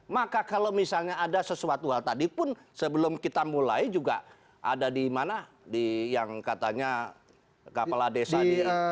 maka kalau misalnya ada sesuatu hal tadi pun sebelum kita mulai juga ada di mana yang katanya kepala desa